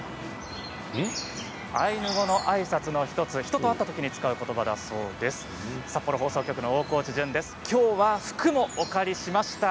アイヌ語のあいさつの１つ人と会ったときに使うことばを言いました。